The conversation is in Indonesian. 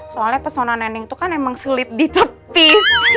soalnya pesona nenek tuh kan emang selit di tepis